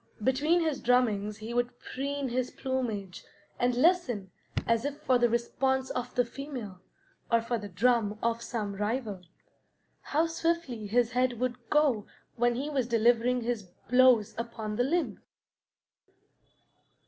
Between his drummings he would preen his plumage and listen as if for the response of the female, or for the drum of some rival. How swiftly his head would go when he was delivering his blows upon the limb!